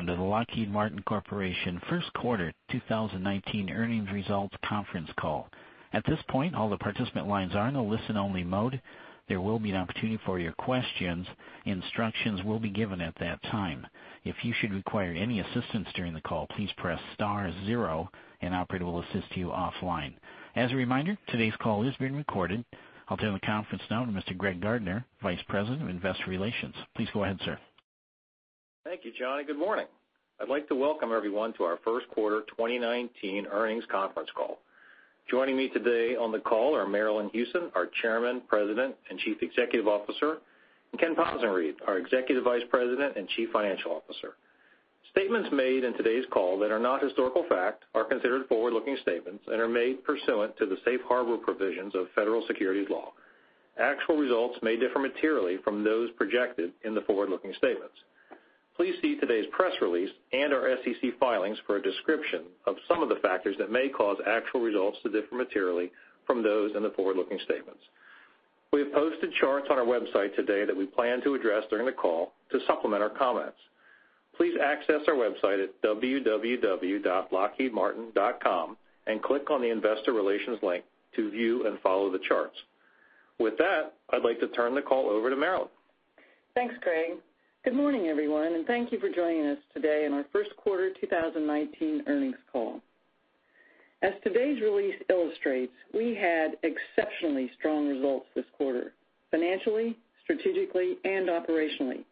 Welcome to the Lockheed Martin Corporation first quarter 2019 earnings results conference call. At this point, all the participant lines are in a listen-only mode. There will be an opportunity for your questions. Instructions will be given at that time. If you should require any assistance during the call, please press star zero, an operator will assist you offline. As a reminder, today's call is being recorded. I'll turn the conference now to Mr. Greg Gardner, Vice President of Investor Relations. Please go ahead, sir. Thank you, Johnny. Good morning. I'd like to welcome everyone to our first quarter 2019 earnings conference call. Joining me today on the call are Marillyn Hewson, our Chairman, President, and Chief Executive Officer, and Ken Possenriede, our Executive Vice President and Chief Financial Officer. Statements made in today's call that are not historical fact are considered forward-looking statements and are made pursuant to the safe harbor provisions of federal securities law. Actual results may differ materially from those projected in the forward-looking statements. Please see today's press release and our SEC filings for a description of some of the factors that may cause actual results to differ materially from those in the forward-looking statements. We have posted charts on our website today that we plan to address during the call to supplement our comments. Please access our website at www.lockheedmartin.com and click on the Investor Relations link to view and follow the charts. With that, I'd like to turn the call over to Marillyn. Thanks, Greg. Good morning, everyone, and thank you for joining us today on our first quarter 2019 earnings call. As today's release illustrates, we had exceptionally strong results this quarter, financially, strategically, and operationally.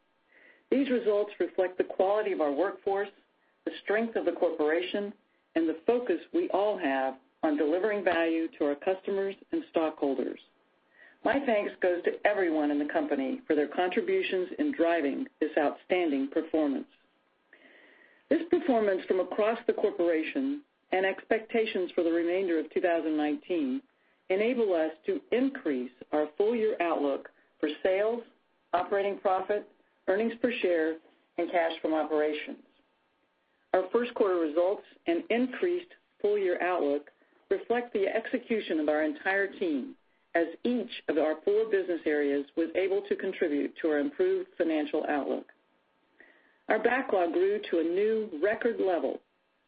These results reflect the quality of our workforce, the strength of the corporation, and the focus we all have on delivering value to our customers and stockholders. My thanks goes to everyone in the company for their contributions in driving this outstanding performance. This performance from across the corporation and expectations for the remainder of 2019 enable us to increase our full-year outlook for sales, operating profit, earnings per share, and cash from operations. Our first quarter results and increased full-year outlook reflect the execution of our entire team as each of our four business areas was able to contribute to our improved financial outlook. Our backlog grew to a new record level,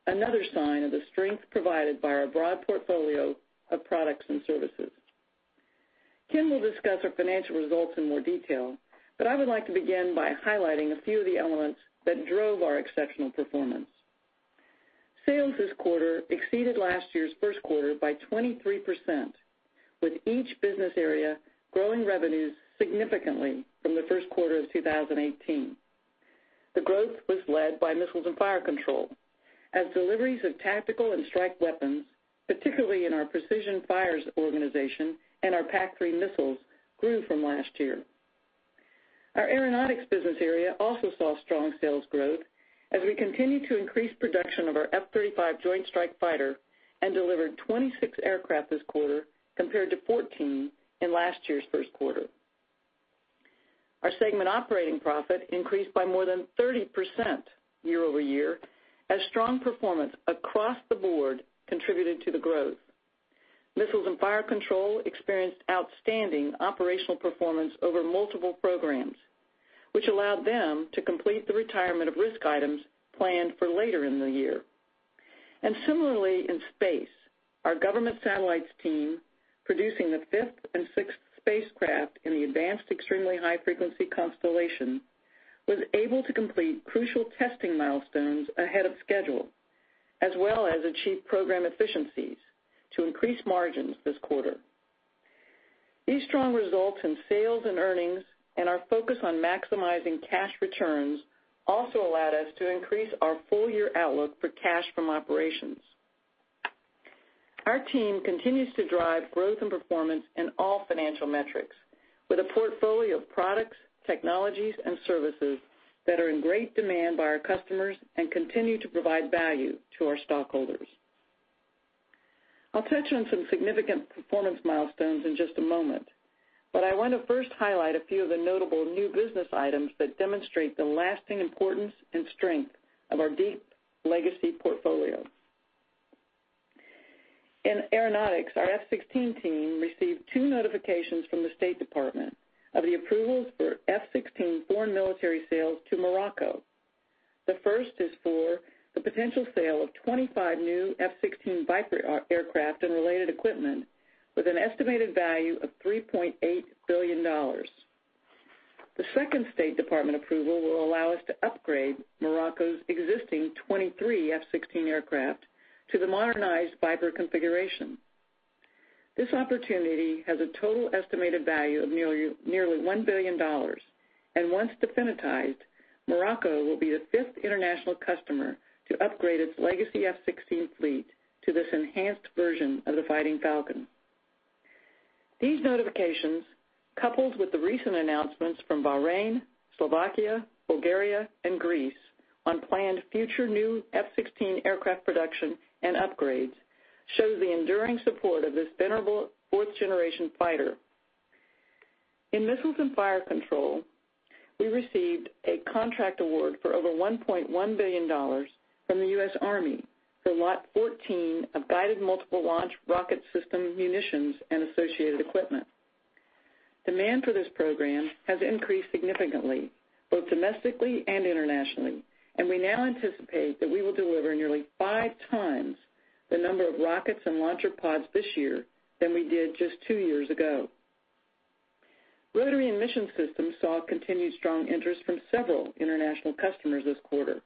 another sign of the strength provided by our broad portfolio of products and services. Ken will discuss our financial results in more detail, but I would like to begin by highlighting a few of the elements that drove our exceptional performance. Sales this quarter exceeded last year's first quarter by 23%, with each business area growing revenues significantly from the first quarter of 2018. The growth was led by Missiles and Fire Control as deliveries of tactical and strike weapons, particularly in our Precision Fires organization and our PAC-3 missiles, grew from last year. Our aeronautics business area also saw strong sales growth as we continued to increase production of our F-35 Joint Strike Fighter and delivered 26 aircraft this quarter compared to 14 in last year's first quarter. Our segment operating profit increased by more than 30% year-over-year as strong performance across the board contributed to the growth. Missiles and Fire Control experienced outstanding operational performance over multiple programs, which allowed them to complete the retirement of risk items planned for later in the year. Similarly, in space, our government satellites team, producing the fifth and sixth spacecraft in the Advanced Extremely High Frequency constellation, was able to complete crucial testing milestones ahead of schedule, as well as achieve program efficiencies to increase margins this quarter. These strong results in sales and earnings and our focus on maximizing cash returns also allowed us to increase our full-year outlook for cash from operations. Our team continues to drive growth and performance in all financial metrics with a portfolio of products, technologies, and services that are in great demand by our customers and continue to provide value to our stockholders. I'll touch on some significant performance milestones in just a moment, but I want to first highlight a few of the notable new business items that demonstrate the lasting importance and strength of our deep legacy portfolio. In aeronautics, our F-16 team received two notifications from the State Department of the approvals for F-16 foreign military sales to Morocco. The first is for the potential sale of 25 new F-16V Viper aircraft and related equipment with an estimated value of $3.8 billion. The second State Department approval will allow us to upgrade Morocco's existing 23 F-16 aircraft to the modernized Viper configuration. This opportunity has a total estimated value of nearly $1 billion, and once definitized, Morocco will be the fifth international customer to upgrade its legacy F-16 fleet to this enhanced version of the Fighting Falcon. These notifications, coupled with the recent announcements from Bahrain, Slovakia, Bulgaria, and Greece on planned future new F-16 aircraft production and upgrades, shows the enduring support of this venerable fourth-generation fighter. In Missiles and Fire Control, we received a contract award for over $1.1 billion from the U.S. Army for Lot 14 of Guided Multiple Launch Rocket System Munitions and associated equipment. Demand for this program has increased significantly, both domestically and internationally, and we now anticipate that we will deliver nearly five times the number of rockets and launcher pods this year than we did just two years ago. Rotary and Mission Systems saw continued strong interest from several international customers this quarter.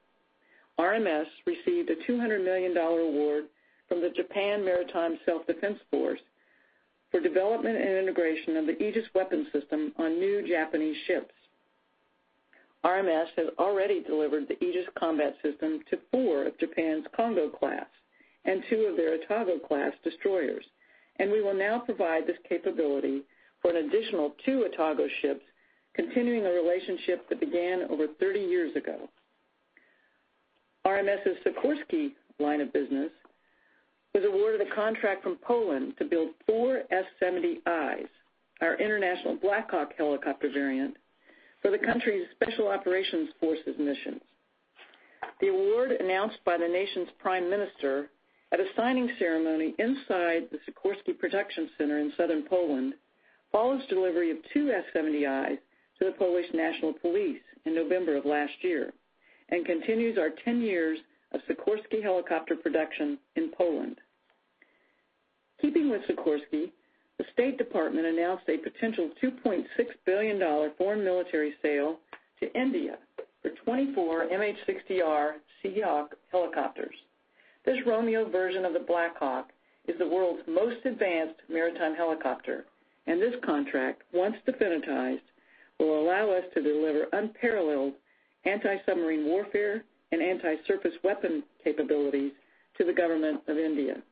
RMS received a $200 million award from the Japan Maritime Self-Defense Force for development and integration of the Aegis weapons system on new Japanese ships. RMS has already delivered the Aegis combat system to four of Japan's Kongo class and two of their Atago class destroyers. We will now provide this capability for an additional two Atago ships, continuing a relationship that began over 30 years ago. RMS's Sikorsky line of business was awarded a contract from Poland to build four S-70Is, our international Black Hawk helicopter variant, for the country's Special Operations Forces missions. The award, announced by the nation's prime minister at a signing ceremony inside the Sikorsky production center in southern Poland, follows delivery of two S-70Is to the Polish National Police in November of last year and continues our 10 years of Sikorsky helicopter production in Poland. Keeping with Sikorsky, the State Department announced a potential $2.6 billion foreign military sale to India for 24 MH-60R Seahawk helicopters. This Romeo version of the Black Hawk is the world's most advanced maritime helicopter. This contract, once definitized, will allow us to deliver unparalleled anti-submarine warfare and anti-surface weapon capabilities to the government of India.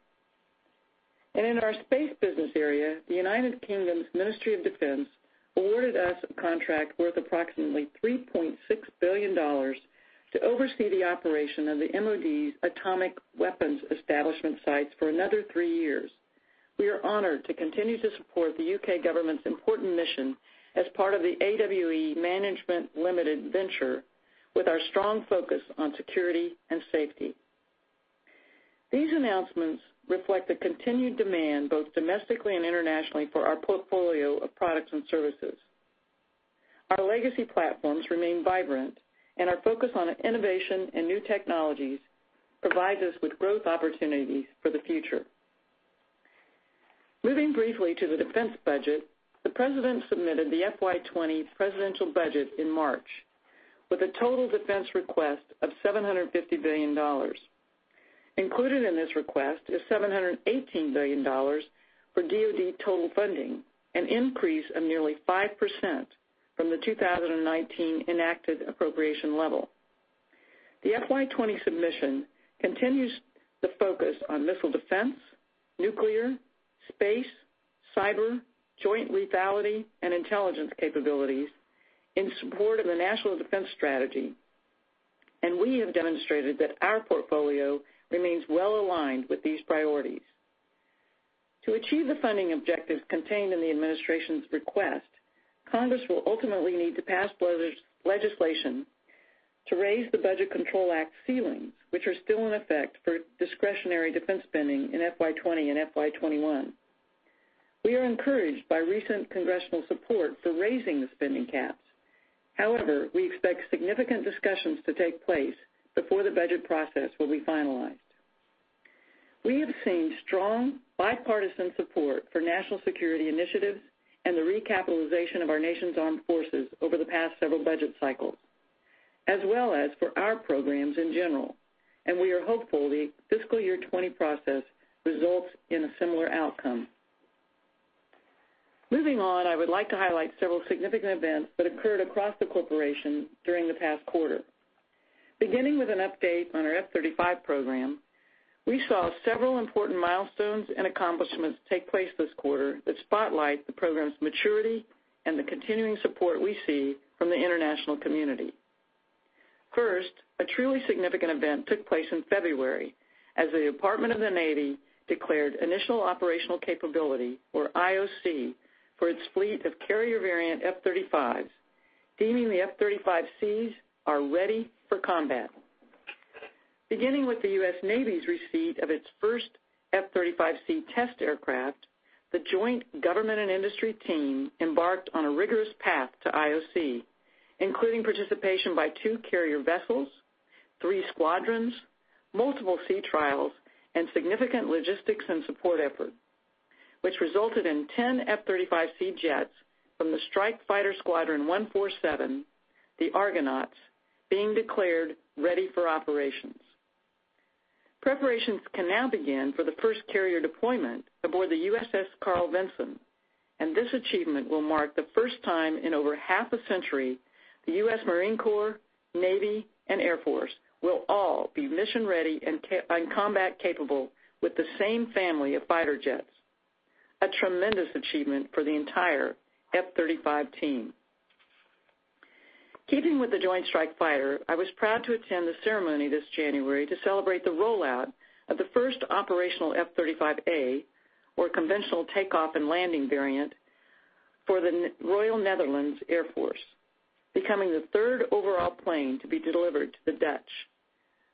In our space business area, the United Kingdom's Ministry of Defence awarded us a contract worth approximately $3.6 billion to oversee the operation of the MOD's Atomic Weapons Establishment sites for another three years. We are honored to continue to support the U.K. government's important mission as part of the AWE Management Limited venture with our strong focus on security and safety. These announcements reflect the continued demand, both domestically and internationally, for our portfolio of products and services. Our legacy platforms remain vibrant. Our focus on innovation and new technologies provides us with growth opportunities for the future. Moving briefly to the defense budget, the President submitted the FY 2020 presidential budget in March with a total defense request of $750 billion. Included in this request is $718 billion for DoD total funding, an increase of nearly 5% from the 2019 enacted appropriation level. The FY 2020 submission continues the focus on missile defense, nuclear, space, cyber, joint lethality, and intelligence capabilities in support of the National Defense Strategy. We have demonstrated that our portfolio remains well-aligned with these priorities. To achieve the funding objectives contained in the administration's request, Congress will ultimately need to pass legislation to raise the Budget Control Act ceilings, which are still in effect for discretionary defense spending in FY 2020 and FY 2021. We are encouraged by recent congressional support for raising the spending caps. However, we expect significant discussions to take place before the budget process will be finalized. We have seen strong bipartisan support for national security initiatives and the recapitalization of our nation's armed forces over the past several budget cycles, as well as for our programs in general. We are hopeful the fiscal year 2020 process results in a similar outcome. Moving on, I would like to highlight several significant events that occurred across the corporation during the past quarter. Beginning with an update on our F-35 program, we saw several important milestones and accomplishments take place this quarter that spotlight the program's maturity and the continuing support we see from the international community. First, a truly significant event took place in February as the Department of the Navy declared initial operational capability, or IOC, for its fleet of carrier variant F-35s, deeming the F-35Cs are ready for combat. Beginning with the U.S. Navy's receipt of its first F-35C test aircraft, the joint government and industry team embarked on a rigorous path to IOC, including participation by two carrier vessels, three squadrons, multiple sea trials, and significant logistics and support effort, which resulted in 10 F-35C jets from the Strike Fighter Squadron 147, the Argonauts, being declared ready for operations. Preparations can now begin for the first carrier deployment aboard the USS Carl Vinson. This achievement will mark the first time in over half a century the U.S. Marine Corps, Navy, and Air Force will all be mission ready and combat capable with the same family of fighter jets. A tremendous achievement for the entire F-35 team. Keeping with the Joint Strike Fighter, I was proud to attend the ceremony this January to celebrate the rollout of the first operational F-35A, or conventional takeoff and landing variant, for the Royal Netherlands Air Force, becoming the third overall plane to be delivered to The Netherlands.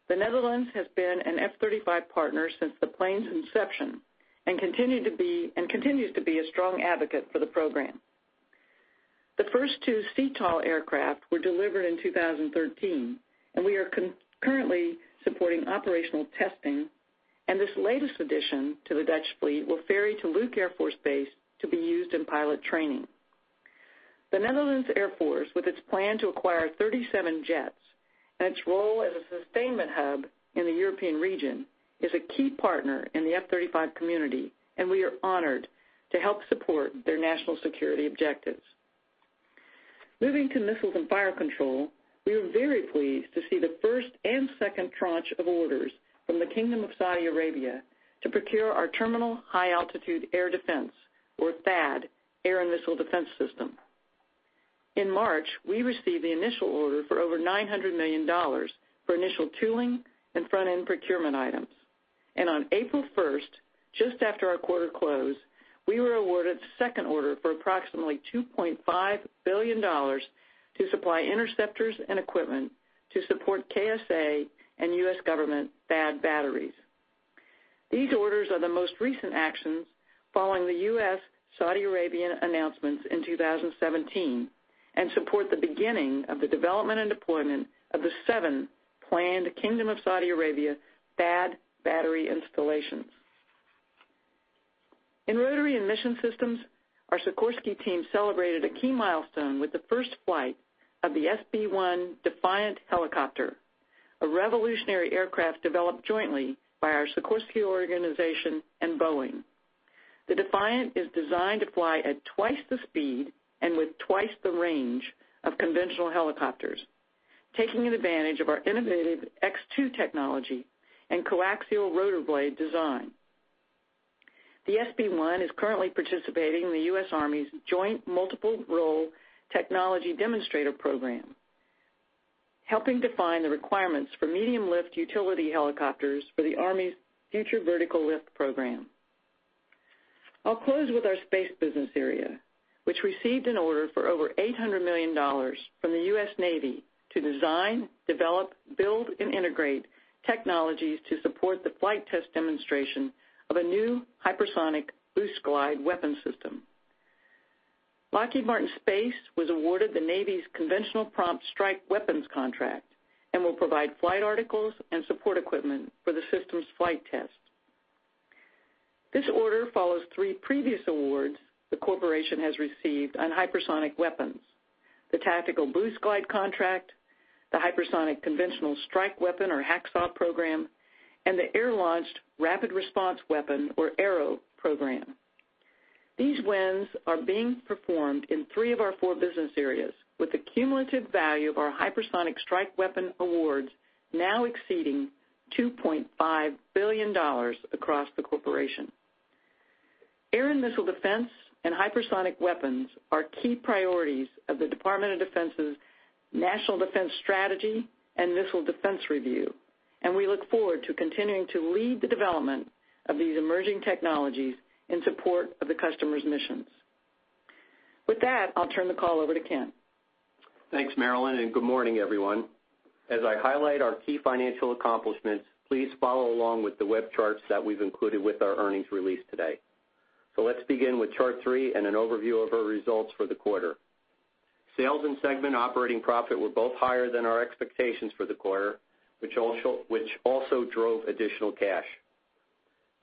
The Netherlands has been an F-35 partner since the plane's inception and continues to be a strong advocate for the program. The first two CTOL aircraft were delivered in 2013. We are currently supporting operational testing. This latest addition to the Dutch fleet will ferry to Luke Air Force Base to be used in pilot training. The Netherlands Air Force, with its plan to acquire 37 jets and its role as a sustainment hub in the European region, is a key partner in the F-35 community. We are honored to help support their national security objectives. Moving to Missiles and Fire Control, we were very pleased to see the first and second tranche of orders from the Kingdom of Saudi Arabia to procure our Terminal High Altitude Area Defense, or THAAD, air and missile defense system. In March, we received the initial order for over $900 million for initial tooling and front-end procurement items. On April 1st, just after our quarter close, we were awarded a second order for approximately $2.5 billion to supply interceptors and equipment to support KSA and U.S. government THAAD batteries. These orders are the most recent actions following the U.S. Saudi Arabian announcements in 2017 and support the beginning of the development and deployment of the seven planned Kingdom of Saudi Arabia THAAD battery installations. In Rotary and Mission Systems, our Sikorsky team celebrated a key milestone with the first flight of the SB-1 Defiant helicopter, a revolutionary aircraft developed jointly by our Sikorsky organization and Boeing. The Defiant is designed to fly at twice the speed and with twice the range of conventional helicopters, taking advantage of our innovative X2 technology and coaxial rotor blade design. The SB-1 is currently participating in the U.S. Army's Joint Multi-Role Technology Demonstrator program, helping define the requirements for medium-lift utility helicopters for the Army's Future Vertical Lift program. I'll close with our Space business area, which received an order for over $800 million from the U.S. Navy to design, develop, build, and integrate technologies to support the flight test demonstration of a new hypersonic boost glide weapon system. Lockheed Martin Space was awarded the Navy's Conventional Prompt Strike Weapons contract and will provide flight articles and support equipment for the system's flight test. This order follows three previous awards the corporation has received on hypersonic weapons, the Tactical Boost Glide contract, the Hypersonic Conventional Strike Weapon, or HCSW program, and the Air-Launched Rapid Response Weapon, or ARRW, program. These wins are being performed in three of our four business areas, with the cumulative value of our hypersonic strike weapon awards now exceeding $2.5 billion across the corporation. Air and missile defense and hypersonic weapons are key priorities of the Department of Defense's National Defense Strategy and Missile Defense Review. We look forward to continuing to lead the development of these emerging technologies in support of the customer's missions. With that, I'll turn the call over to Ken. Thanks, Marillyn. Good morning, everyone. As I highlight our key financial accomplishments, please follow along with the web charts that we've included with our earnings release today. Let's begin with chart three and an overview of our results for the quarter. Sales and segment operating profit were both higher than our expectations for the quarter, which also drove additional cash.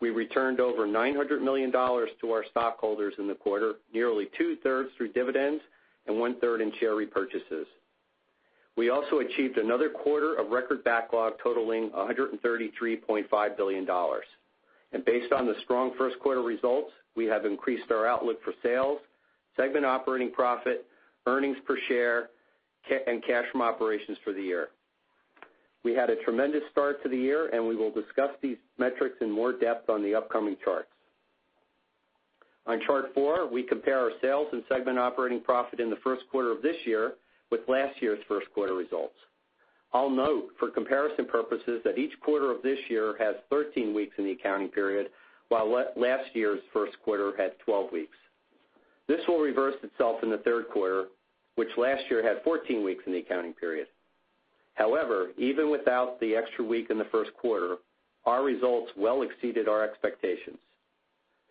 We returned over $900 million to our stockholders in the quarter, nearly two-thirds through dividends and one-third in share repurchases. We also achieved another quarter of record backlog totaling $133.5 billion. Based on the strong first quarter results, we have increased our outlook for sales, segment operating profit, earnings per share, and cash from operations for the year. We had a tremendous start to the year, we will discuss these metrics in more depth on the upcoming charts. On chart four, we compare our sales and segment operating profit in the first quarter of this year with last year's first quarter results. I'll note, for comparison purposes, that each quarter of this year has 13 weeks in the accounting period, while last year's first quarter had 12 weeks. This will reverse itself in the third quarter, which last year had 14 weeks in the accounting period. However, even without the extra week in the first quarter, our results well exceeded our expectations.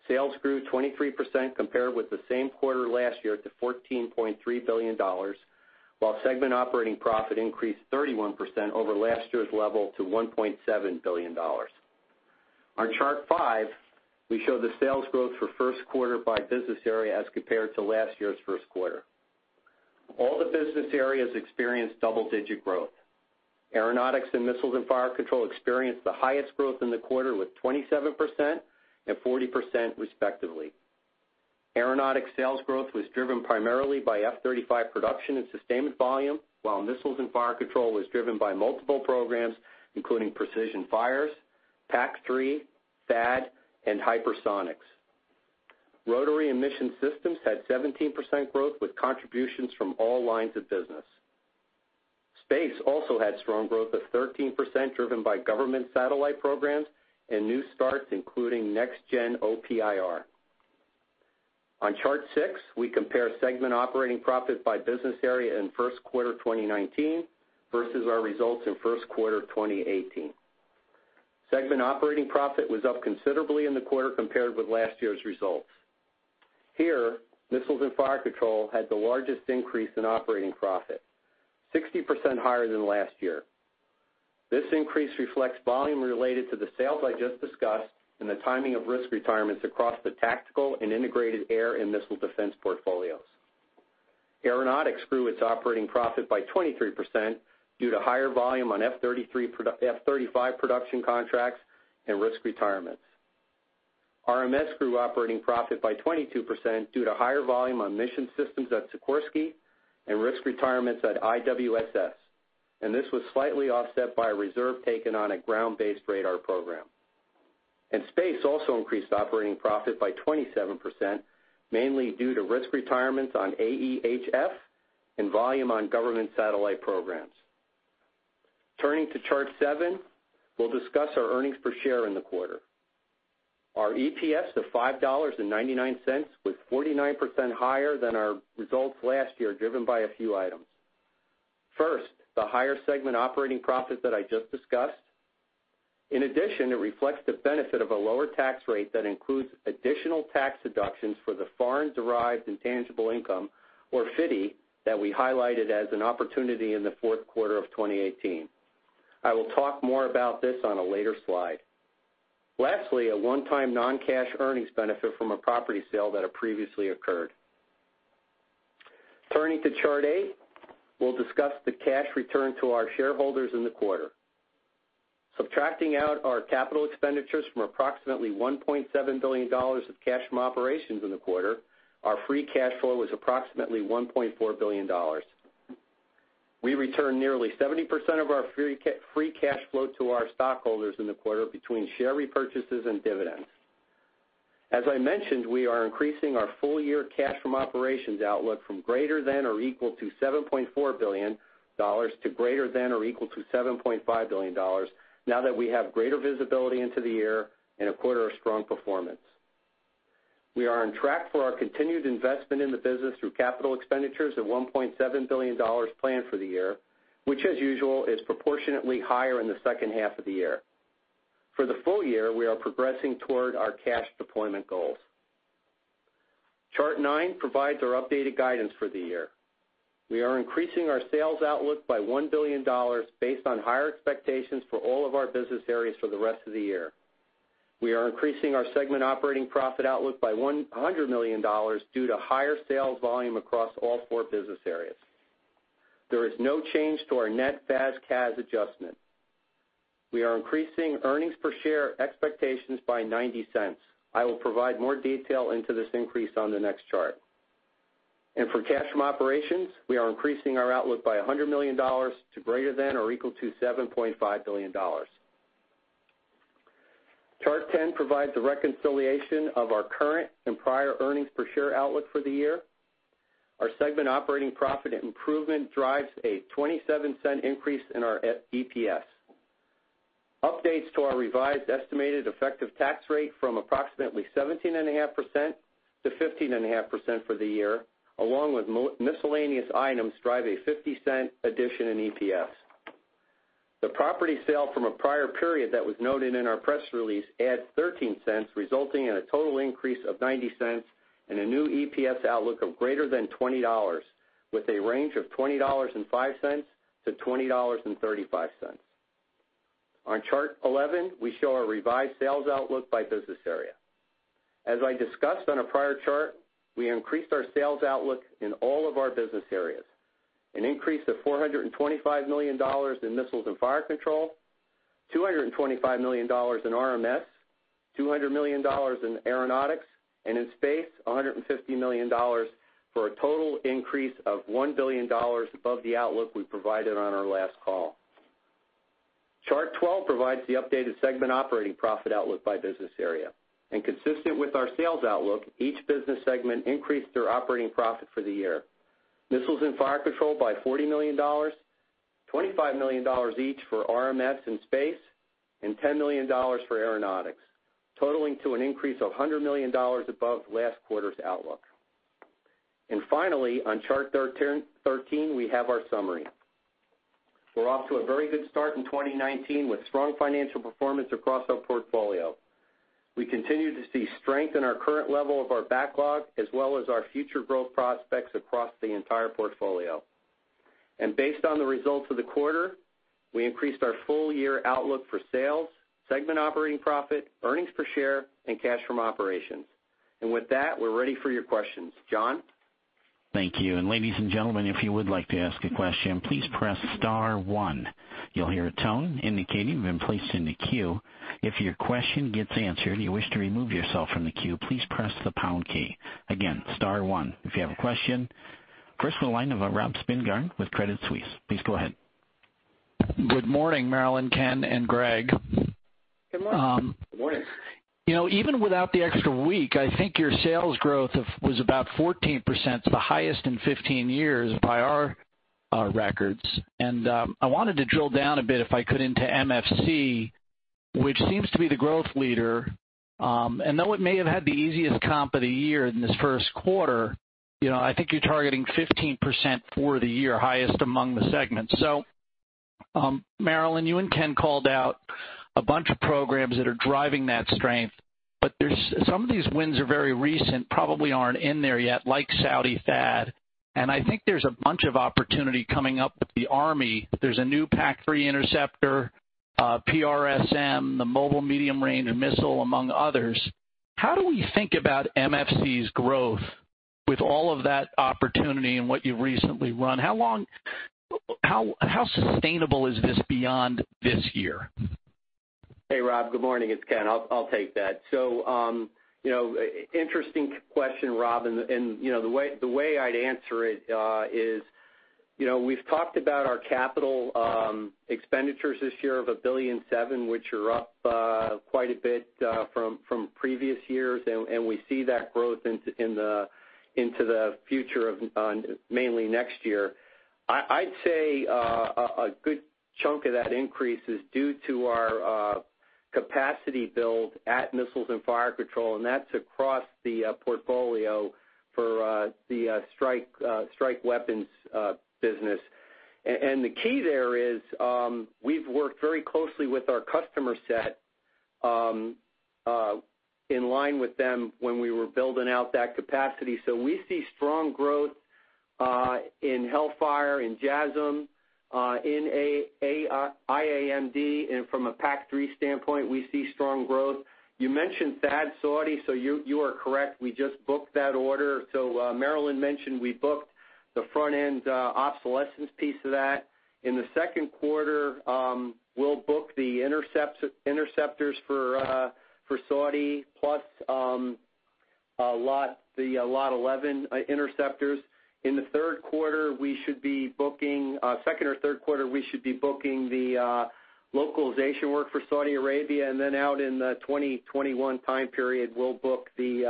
Sales grew 23% compared with the same quarter last year to $14.3 billion, while segment operating profit increased 31% over last year's level to $1.7 billion. On chart five, we show the sales growth for first quarter by business area as compared to last year's first quarter. All the business areas experienced double-digit growth. Aeronautics and Missiles and Fire Control experienced the highest growth in the quarter with 27% and 40%, respectively. Aeronautics sales growth was driven primarily by F-35 production and sustainment volume, while Missiles and Fire Control was driven by multiple programs, including Precision Fires, PAC-3, THAAD, and hypersonics. Rotary and Mission Systems had 17% growth with contributions from all lines of business. Space also had strong growth of 13%, driven by government satellite programs and new starts, including Next Gen OPIR. On chart six, we compare segment operating profit by business area in first quarter 2019 versus our results in first quarter 2018. Segment operating profit was up considerably in the quarter compared with last year's results. Here, Missiles and Fire Control had the largest increase in operating profit, 60% higher than last year. This increase reflects volume related to the sales I just discussed and the timing of risk retirements across the tactical and Integrated Air and Missile Defense portfolios. Aeronautics grew its operating profit by 23% due to higher volume on F-35 production contracts and risk retirements. RMS grew operating profit by 22% due to higher volume on mission systems at Sikorsky and risk retirements at IWSS. This was slightly offset by a reserve taken on a ground-based radar program. Space also increased operating profit by 27%, mainly due to risk retirements on AEHF and volume on government satellite programs. Turning to chart seven, we'll discuss our earnings per share in the quarter. Our EPS of $5.99 was 49% higher than our results last year, driven by a few items. First, the higher segment operating profit that I just discussed. In addition, it reflects the benefit of a lower tax rate that includes additional tax deductions for the foreign-derived intangible income, or FDII, that we highlighted as an opportunity in the fourth quarter of 2018. I will talk more about this on a later slide. Lastly, a one-time non-cash earnings benefit from a property sale that had previously occurred. Turning to chart eight, we'll discuss the cash return to our shareholders in the quarter. Subtracting out our capital expenditures from approximately $1.7 billion of cash from operations in the quarter, our free cash flow was approximately $1.4 billion. We returned nearly 70% of our free cash flow to our stockholders in the quarter between share repurchases and dividends. As I mentioned, we are increasing our full-year cash from operations outlook from greater than or equal to $7.4 billion to greater than or equal to $7.5 billion, now that we have greater visibility into the year and a quarter of strong performance. We are on track for our continued investment in the business through capital expenditures of $1.7 billion planned for the year, which as usual, is proportionately higher in the second half of the year. For the full year, we are progressing toward our cash deployment goals. Chart nine provides our updated guidance for the year. We are increasing our sales outlook by $1 billion based on higher expectations for all of our business areas for the rest of the year. We are increasing our segment operating profit outlook by $100 million due to higher sales volume across all four business areas. There is no change to our net FAS/CAS adjustment. We are increasing earnings per share expectations by $0.90. I will provide more detail into this increase on the next chart. For cash from operations, we are increasing our outlook by $100 million to greater than or equal to $7.5 billion. Chart 10 provides a reconciliation of our current and prior earnings per share outlook for the year. Our segment operating profit improvement drives a $0.27 increase in our EPS. Updates to our revised estimated effective tax rate from approximately 17.5% to 15.5% for the year, along with miscellaneous items, drive a $0.50 addition in EPS. The property sale from a prior period that was noted in our press release adds $0.13, resulting in a total increase of $0.90 and a new EPS outlook of greater than $20, with a range of $20.05 to $20.35. On Chart 11, we show our revised sales outlook by business area. As I discussed on a prior chart, we increased our sales outlook in all of our business areas. An increase of $425 million in Missiles and Fire Control, $225 million in RMS, $200 million in Aeronautics, and in Space, $150 million, for a total increase of $1 billion above the outlook we provided on our last call. Chart 12 provides the updated segment operating profit outlook by business area. Consistent with our sales outlook, each business segment increased their operating profit for the year. Missiles and Fire Control by $40 million, $25 million each for RMS and Space, and $10 million for Aeronautics, totaling to an increase of $100 million above last quarter's outlook. Finally, on Chart 13, we have our summary. We're off to a very good start in 2019 with strong financial performance across our portfolio. We continue to see strength in our current level of our backlog, as well as our future growth prospects across the entire portfolio. Based on the results of the quarter, we increased our full-year outlook for sales, segment operating profit, earnings per share, and cash from operations. With that, we're ready for your questions. Jon? Thank you. Ladies and gentlemen, if you would like to ask a question, please press star one. You'll hear a tone indicating you've been placed in the queue. If your question gets answered and you wish to remove yourself from the queue, please press the pound key. Again, star one if you have a question. First in the line of Robert Spingarn with Credit Suisse. Please go ahead. Good morning, Marillyn, Ken, and Greg. Good morning. Good morning. Even without the extra week, I think your sales growth was about 14%, the highest in 15 years by our records. I wanted to drill down a bit, if I could, into MFC, which seems to be the growth leader. Though it may have had the easiest comp of the year in this first quarter, I think you're targeting 15% for the year, highest among the segments. Marillyn, you and Ken called out a bunch of programs that are driving that strength. Some of these wins are very recent, probably aren't in there yet, like Saudi THAAD, and I think there's a bunch of opportunity coming up with the Army. There's a new PAC-3 interceptor, PrSM, the mobile medium range and missile, among others. How do we think about MFC's growth with all of that opportunity and what you've recently won? How sustainable is this beyond this year? Hey, Rob. Good morning. It's Ken. I'll take that. Interesting question, Rob, and the way I'd answer it is, we've talked about our capital expenditures this year of $1.7 billion, which are up quite a bit from previous years, and we see that growth into the future of mainly next year. I'd say a good chunk of that increase is due to our capacity build at Missiles and Fire Control, and that's across the portfolio for the strike weapons business. The key there is, we've worked very closely with our customer set, in line with them when we were building out that capacity. We see strong growth, in Hellfire, in JASSM, in IAMD, and from a PAC-3 standpoint, we see strong growth. You mentioned THAAD Saudi, you are correct, we just booked that order. Marillyn mentioned we booked the front end obsolescence piece of that. In the second quarter, we'll book the interceptors for Saudi plus the Lot 11 interceptors. In the third quarter, we should be booking second or third quarter, we should be booking the localization work for Saudi Arabia, and then out in the 2021 time period, we'll book the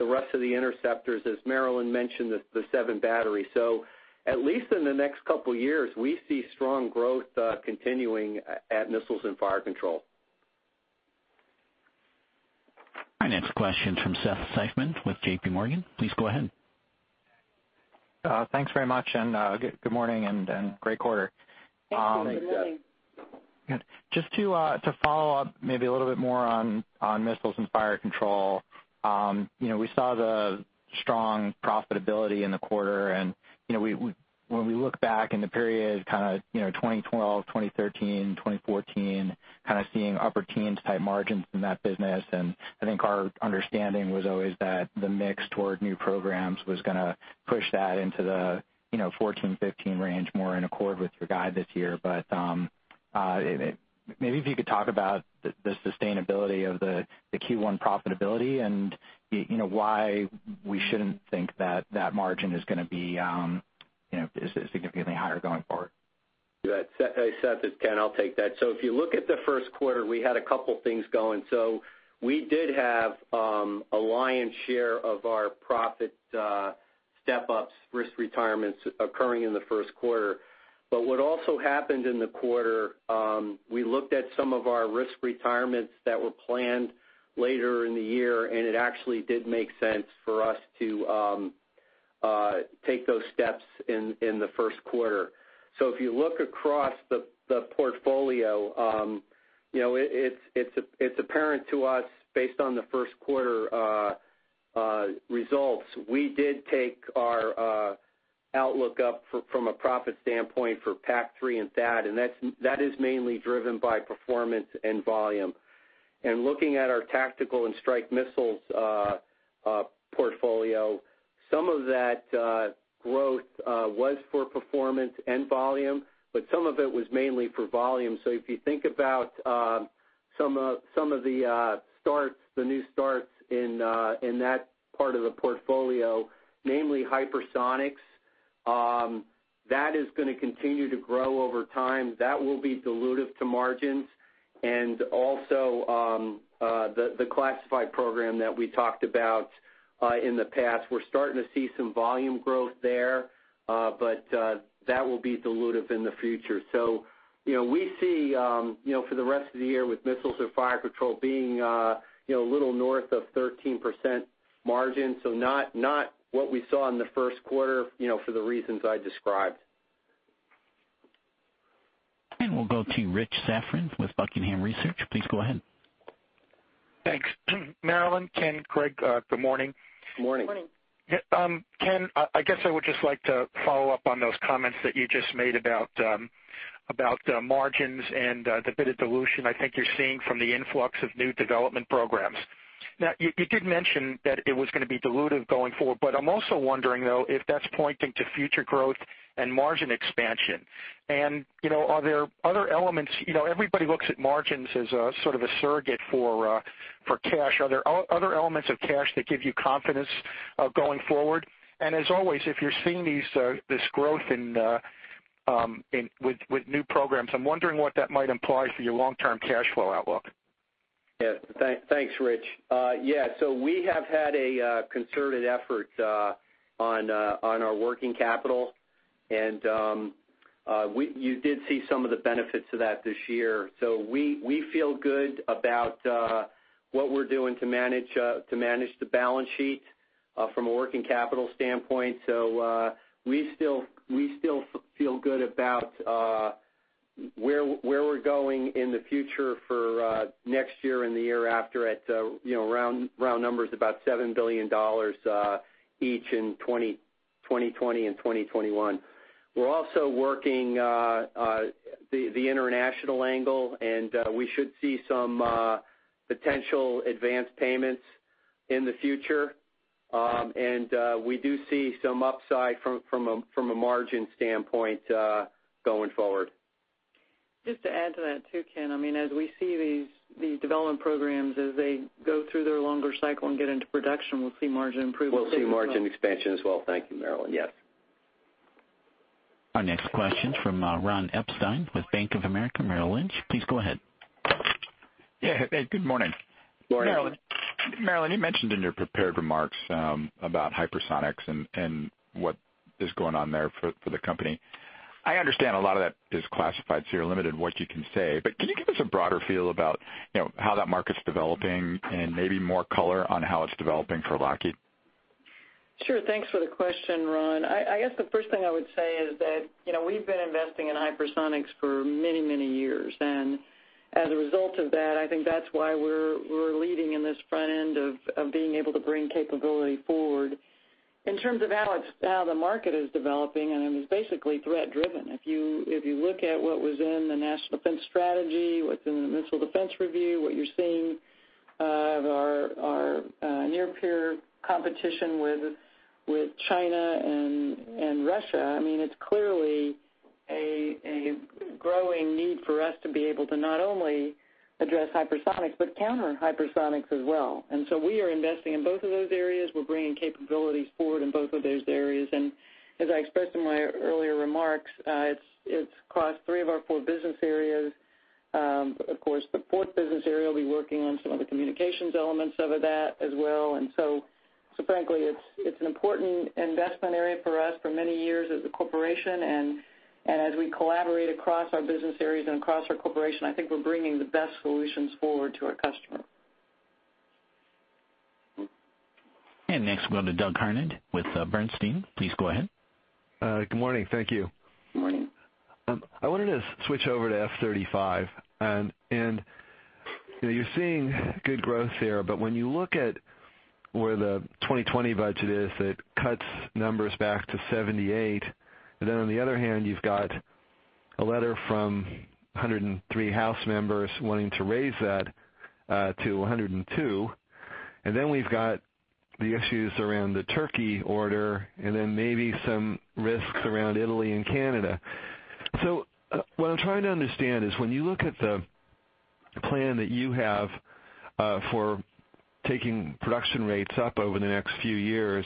rest of the interceptors, as Marillyn mentioned, the seven batteries. At least in the next couple of years, we see strong growth continuing at Missiles and Fire Control. Our next question from Seth Seifman with JPMorgan. Please go ahead. Thanks very much. Good morning. Great quarter. Thanks. Thanks. Just to follow up maybe a little bit more on Missiles and Fire Control. We saw the strong profitability in the quarter. When we look back in the period kind of 2012, 2013, 2014, kind of seeing upper teens type margins in that business. I think our understanding was always that the mix toward new programs was going to push that into the 14, 15 range, more in accord with your guide this year. Maybe if you could talk about the sustainability of the Q1 profitability and why we shouldn't think that that margin is going to be significantly higher going forward. Hey, Seth, it's Ken, I'll take that. If you look at the first quarter, we had a couple things going. We did have a lion's share of our profit step-ups, risk retirements occurring in the first quarter. What also happened in the quarter, we looked at some of our risk retirements that were planned later in the year, it actually did make sense for us to take those steps in the first quarter. If you look across the portfolio, it's apparent to us based on the first quarter results, we did take our outlook up from a profit standpoint for PAC-3 and THAAD. That is mainly driven by performance and volume. Looking at our tactical and strike missiles portfolio, some of that growth was for performance and volume, but some of that was mainly for volume. If you think about some of the new starts in that part of the portfolio, namely hypersonics, that is going to continue to grow over time. That will be dilutive to margins. Also, the classified program that we talked about in the past, we're starting to see some volume growth there. That will be dilutive in the future. We see, for the rest of the year with Missiles and Fire Control being a little north of 13% margin. Not what we saw in the first quarter, for the reasons I described. We'll go to Rich Safran with Buckingham Research. Please go ahead. Thanks. Marillyn, Ken, Greg, good morning. Good morning. Good morning. Ken, I guess I would just like to follow up on those comments that you just made about margins and the bit of dilution I think you're seeing from the influx of new development programs. You did mention that it was going to be dilutive going forward, but I'm also wondering, though, if that's pointing to future growth and margin expansion. Are there other elements-- everybody looks at margins as sort of a surrogate for cash. Are there other elements of cash that give you confidence going forward? As always, if you're seeing this growth with new programs, I'm wondering what that might imply for your long-term cash flow outlook. Yes. Thanks, Rich. We have had a concerted effort on our working capital, and you did see some of the benefits of that this year. We feel good about what we're doing to manage the balance sheet from a working capital standpoint. We still feel good about where we're going in the future for next year and the year after at round numbers, about $7 billion each in 2020 and 2021. We're also working the international angle, we should see some potential advanced payments in the future. We do see some upside from a margin standpoint going forward. Just to add to that, too, Ken, as we see these development programs, as they go through their longer cycle and get into production, we'll see margin improvements as well. We'll see margin expansion as well. Thank you, Marillyn. Yes. Our next question from Ronald Epstein with Bank of America Merrill Lynch. Please go ahead. Yeah. Good morning. Morning. Marillyn, you mentioned in your prepared remarks about hypersonics and what is going on there for the company. I understand a lot of that is classified, so you're limited in what you can say, but can you give us a broader feel about how that market's developing and maybe more color on how it's developing for Lockheed? Sure. Thanks for the question, Ron. I guess the first thing I would say is that we've been investing in hypersonics for many, many years. As a result of that, I think that's why we're leading in this front end of being able to bring capability forward. In terms of how the market is developing, and it is basically threat driven. If you look at what was in the National Defense Strategy, what's in the Missile Defense Review, what you're seeing of our near-peer competition with China and Russia, it's clearly a growing need for us to be able to not only address hypersonics but counter hypersonics as well. We are investing in both of those areas. We're bringing capabilities forward in both of those areas. As I expressed in my earlier remarks, it's across three of our four business areas. Of course, the fourth business area will be working on some of the communications elements of that as well. Frankly, it's an important investment area for us for many years as a corporation. As we collaborate across our business areas and across our corporation, I think we're bringing the best solutions forward to our customer. Next, we'll go to Douglas Harned with Bernstein. Please go ahead. Good morning. Thank you. Good morning. I wanted to switch over to F-35. You're seeing good growth there. When you look at where the 2020 budget is, it cuts numbers back to 78. On the other hand, you've got a letter from 103 House members wanting to raise that to 102. We've got the issues around the Turkey order, maybe some risks around Italy and Canada. What I'm trying to understand is when you look at the plan that you have for taking production rates up over the next few years,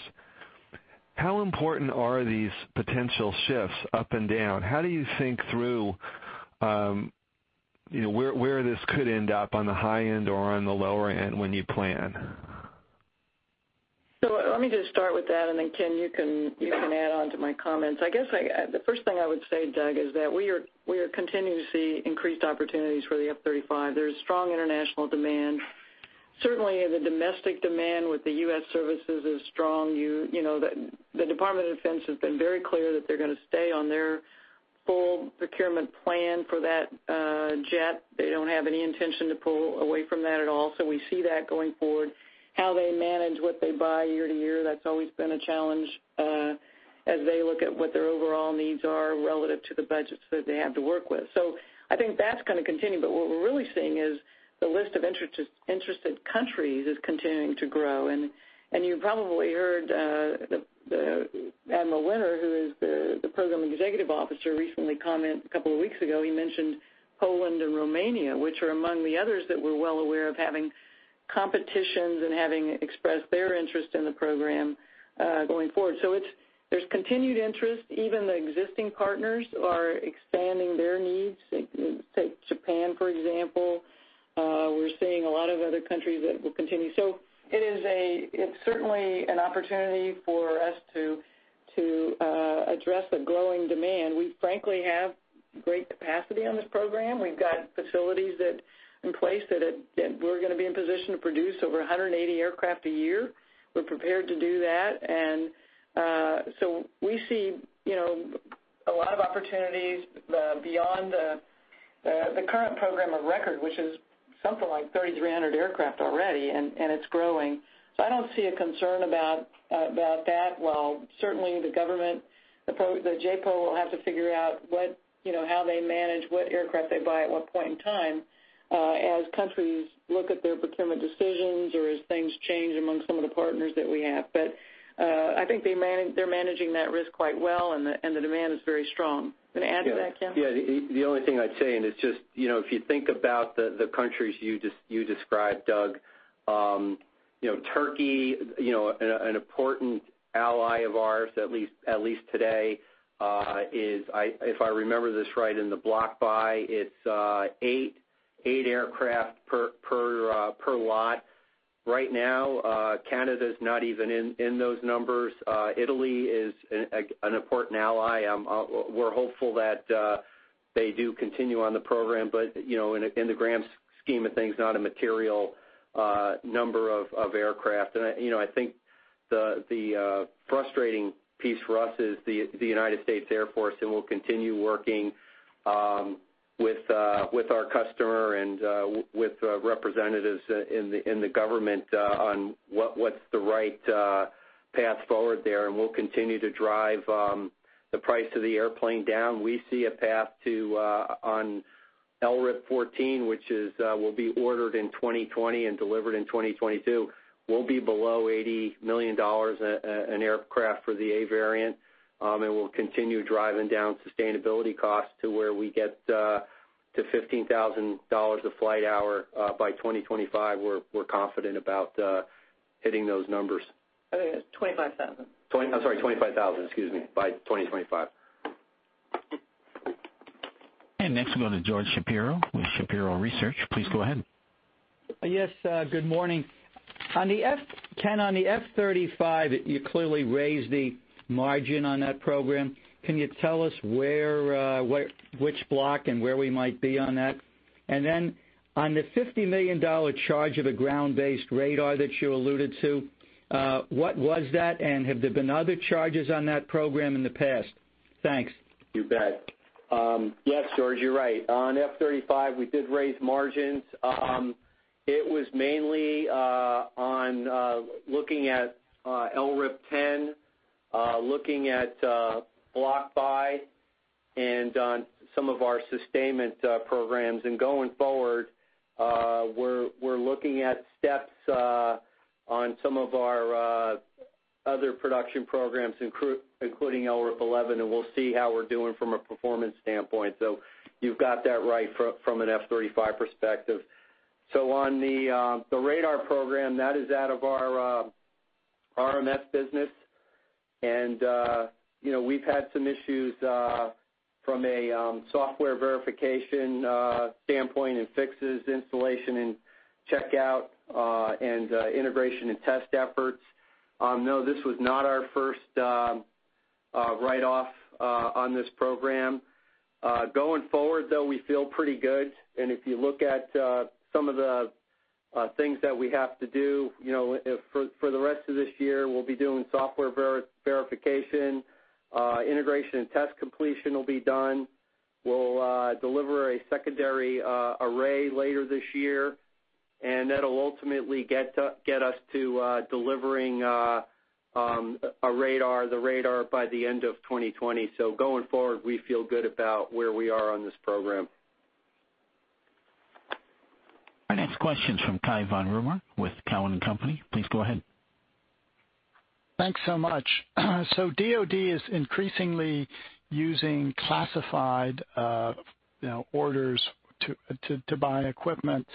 how important are these potential shifts up and down? How do you think through where this could end up on the high end or on the lower end when you plan? Let me just start with that. Ken, you can add on to my comments. I guess the first thing I would say, Doug, is that we are continuing to see increased opportunities for the F-35. There's strong international demand. Certainly, the domestic demand with the U.S. services is strong. The Department of Defense has been very clear that they're going to stay on their full procurement plan for that jet. They don't have any intention to pull away from that at all. We see that going forward. How they manage what they buy year to year, that's always been a challenge as they look at what their overall needs are relative to the budgets that they have to work with. I think that's going to continue, but what we're really seeing is the list of interested countries is continuing to grow. You probably heard Admiral Winter, who is the Program Executive Officer, recently comment a couple of weeks ago. He mentioned Poland and Romania, which are among the others that we're well aware of having competitions and having expressed their interest in the program going forward. There's continued interest. Even the existing partners are expanding their needs. Take Japan, for example. We're seeing a lot of other countries that will continue. It's certainly an opportunity for us to address the growing demand. We frankly have great capacity on this program. We've got facilities in place that we're going to be in position to produce over 180 aircraft a year. We're prepared to do that. We see a lot of opportunities beyond the current program of record, which is something like 3,300 aircraft already, and it's growing. I don't see a concern about that. While certainly the government, the JPO, will have to figure out how they manage what aircraft they buy at what point in time as countries look at their procurement decisions or as things change among some of the partners that we have. I think they're managing that risk quite well, and the demand is very strong. Going to add to that, Ken? Yeah. The only thing I'd say, it's just if you think about the countries you described, Doug, Turkey, an important ally of ours, at least today, is, if I remember this right, in the block buy. It's eight aircraft per lot. Right now, Canada's not even in those numbers. Italy is an important ally. We're hopeful that they do continue on the program, in the grand scheme of things, not a material number of aircraft. I think the frustrating piece for us is the United States Air Force, and we'll continue working with our customer and with representatives in the government on what's the right path forward there, and we'll continue to drive the price of the airplane down. We see a path to, on LRIP 14, which will be ordered in 2020 and delivered in 2022, we'll be below $80 million an aircraft for the A variant. We'll continue driving down sustainability costs to where we get to $15,000 a flight hour by 2025. We're confident about hitting those numbers. I think it's 25,000. I'm sorry, 25,000. Excuse me. By 2025. Next we go to George Shapiro with Shapiro Research. Please go ahead. Yes, good morning. Ken, on the F-35, you clearly raised the margin on that program. Can you tell us which block and where we might be on that? Then on the $50 million charge of the ground-based radar that you alluded to, what was that, and have there been other charges on that program in the past? Thanks. You bet. Yes, George, you're right. On F-35, we did raise margins. It was mainly on looking at LRIP 10, looking at block buy, on some of our sustainment programs. Going forward, we're looking at steps on some of our other production programs, including LRIP 11, we'll see how we're doing from a performance standpoint. You've got that right from an F-35 perspective. On the radar program, that is out of our RMS business. We've had some issues from a software verification standpoint and fixes installation and checkout, and integration and test efforts. No, this was not our first write-off on this program. Going forward, though, we feel pretty good. If you look at some of the things that we have to do for the rest of this year, we'll be doing software verification. Integration and test completion will be done. We'll deliver a secondary array later this year, that'll ultimately get us to delivering the radar by the end of 2020. Going forward, we feel good about where we are on this program. Our next question is from Cai von Rumohr with Cowen and Company. Please go ahead. Thanks so much. DoD is increasingly using classified orders to buy equipment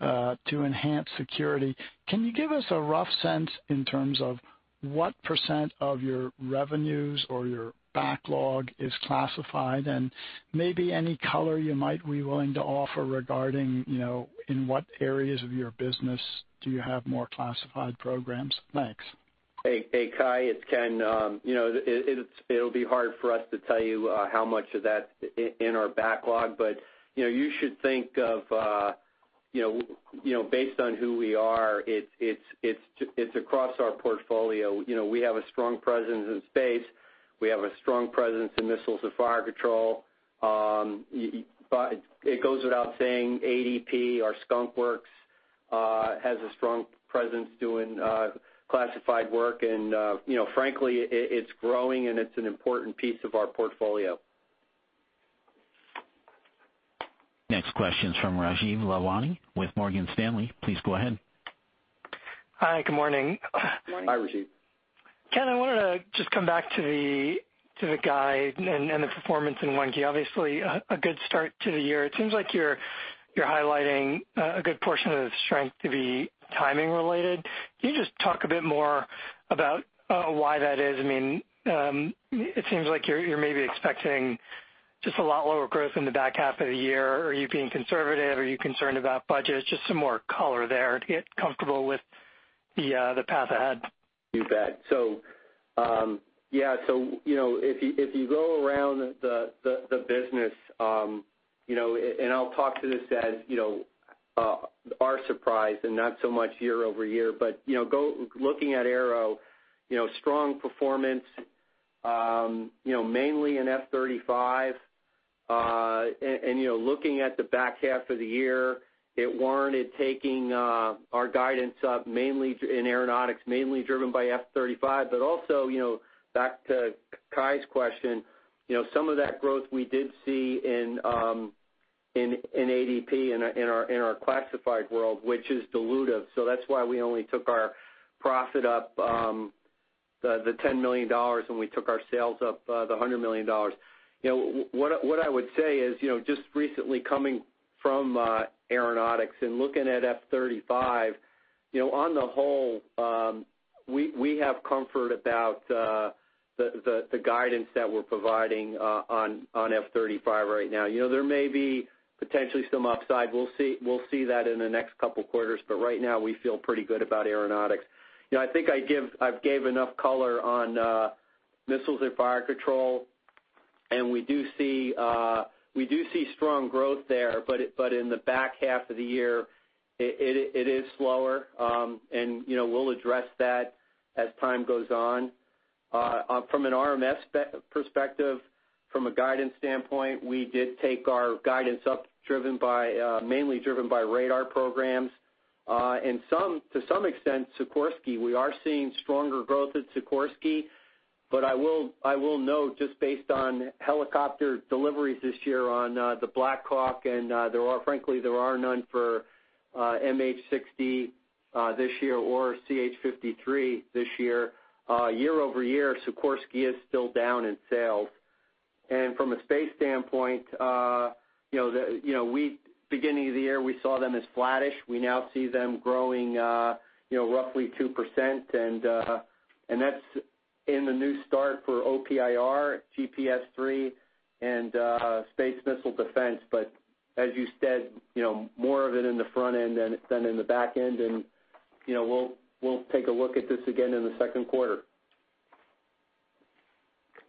to enhance security. Can you give us a rough sense in terms of what % of your revenues or your backlog is classified? And maybe any color you might be willing to offer regarding in what areas of your business do you have more classified programs? Thanks. Hey, Cai. It's Ken. It'll be hard for us to tell you how much of that's in our backlog. You should think of based on who we are, it's across our portfolio. We have a strong presence in Space. We have a strong presence in Missiles and Fire Control. It goes without saying, ADP, our Skunk Works, has a strong presence doing classified work. Frankly, it's growing, and it's an important piece of our portfolio. Next question is from Rajeev Lalwani with Morgan Stanley. Please go ahead. Hi, good morning. Good morning. Hi, Rajeev. Ken, I wanted to just come back to the guide and the performance in 1Q. Obviously, a good start to the year. It seems like you're highlighting a good portion of the strength to be timing related. Can you just talk a bit more about why that is? It seems like you're maybe expecting just a lot lower growth in the back half of the year. Are you being conservative? Are you concerned about budgets? Just some more color there to get comfortable with the path ahead. You bet. If you go around the business, I'll talk to this as our surprise, not so much year-over-year. Looking at Aeronautics, strong performance, mainly in F-35. Looking at the back half of the year, it warranted taking our guidance up, in Aeronautics, mainly driven by F-35. Also, back to Cai's question, some of that growth we did see in ADP in our classified world, which is dilutive. That's why we only took our profit up the $10 million when we took our sales up the $100 million. What I would say is, just recently coming from Aeronautics and looking at F-35, on the whole, we have comfort about the guidance that we're providing on F-35 right now. There may be potentially some upside. We'll see that in the next couple of quarters, but right now we feel pretty good about Aeronautics. I think I gave enough color on Missiles and Fire Control, we do see strong growth there. In the back half of the year, it is slower. We'll address that as time goes on. From an RMS perspective, from a guidance standpoint, we did take our guidance up, mainly driven by radar programs. To some extent, Sikorsky. We are seeing stronger growth at Sikorsky, but I will note, just based on helicopter deliveries this year on the Black Hawk, and frankly, there are none for MH-60 this year or CH-53 this year. Year-over-year, Sikorsky is still down in sales. From a Space standpoint, beginning of the year, we saw them as flattish. We now see them growing roughly 2%, and that's in the new start for OPIR, GPS III, and space missile defense. As you said, more of it in the front end than in the back end, we'll take a look at this again in the second quarter.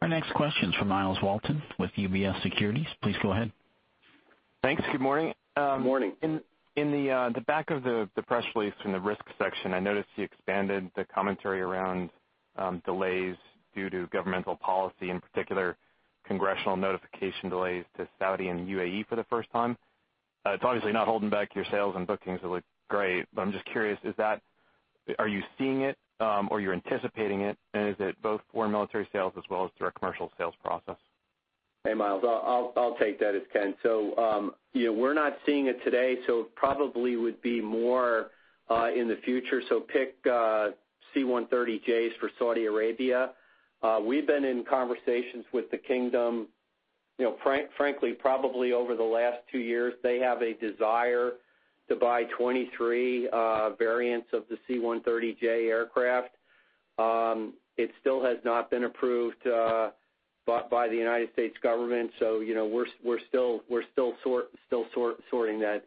Our next question's from Myles Walton with UBS Securities. Please go ahead. Thanks. Good morning. Good morning. In the back of the press release in the risk section, I noticed you expanded the commentary around delays due to governmental policy, in particular, Congressional notification delays to Saudi and UAE for the first time. It's obviously not holding back your sales, and bookings look great. I'm just curious, are you seeing it, or you're anticipating it? Is it both for military sales as well as through our commercial sales process? Hey, Myles. I'll take that as Ken. We're not seeing it today, it probably would be more in the future. Pick C-130Js for Saudi Arabia. We've been in conversations with the kingdom, frankly, probably over the last two years. They have a desire to buy 23 variants of the C-130J aircraft. It still has not been approved by the United States government, we're still sorting that.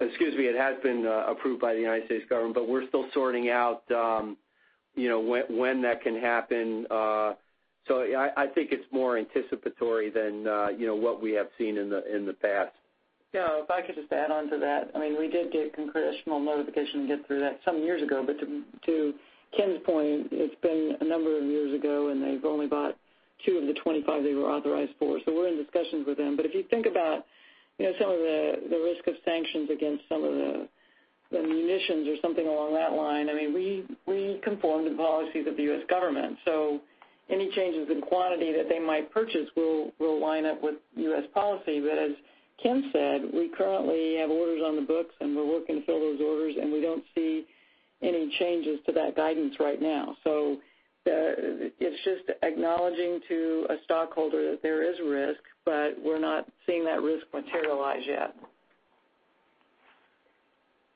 Excuse me. It has been approved by the United States government, we're still sorting out when that can happen. I think it's more anticipatory than what we have seen in the past. If I could just add onto that. We did get Congressional notification and get through that some years ago. To Ken's point, it's been a number of years ago, and they've only bought two of the 25 they were authorized for. We're in discussions with them. If you think about some of the risk of sanctions against some of the munitions or something along that line, we conform to the policies of the U.S. government. Any changes in quantity that they might purchase will line up with U.S. policy. As Ken said, we currently have orders on the books, and we're working to fill those orders, and we don't see any changes to that guidance right now. It's just acknowledging to a stockholder that there is risk, but we're not seeing that risk materialize yet.